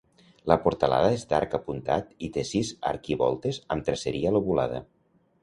La portalada és d'arc apuntat i té sis arquivoltes amb traceria lobulada.